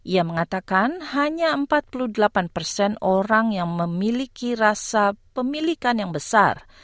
ia mengatakan hanya empat puluh delapan orang yang memiliki rasa pemilikan yang besar